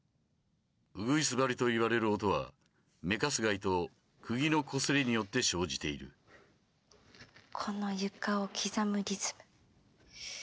鶯張りと言われる音は目かすがいと釘のこすれによって生じているこの床を刻むリズム。